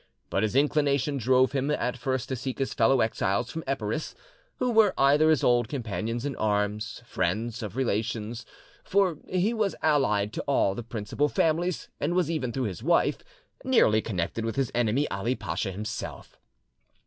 But his inclination drove him at first to seek his fellow exiles from Epirus, who were either his old companions in arms, friends, of relations, for he was allied to all the principal families, and was even, through his wife, nearly connected with his enemy, Ali Pacha himself.